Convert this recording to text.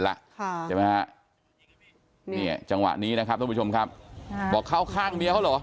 แล้วเนี่ยจังหวะนี้นะครับท่านผู้ชมครับบอกเข้าข้างเมียเขาเหรอ